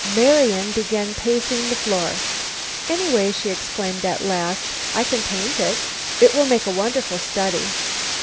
Marian began pacing the floor. "Anyway," she exclaimed at last, "I can paint it. It will make a wonderful study."